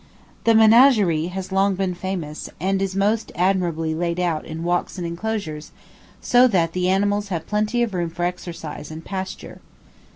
The Menagerie has long been famous, and is most admirably laid out in walks and enclosures, so that the animals have plenty of room for exercise and pasture.